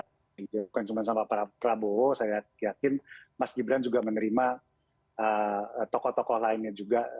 bukan cuma sama pak prabowo saya yakin mas gibran juga menerima tokoh tokoh lainnya juga